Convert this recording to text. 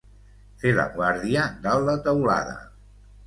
Fer la guàrdia dalt la teulada